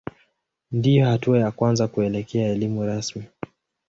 Ndiyo hatua ya kwanza kuelekea elimu rasmi.